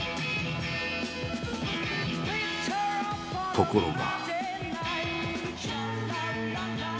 ところが。